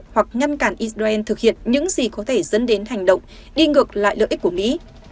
hoặc ngăn cản israel thực hiện những gì có thể dẫn đến hành động đi ngược lại lợi ích của mỹ